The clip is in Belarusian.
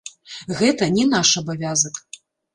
Гэта не наш абавязак.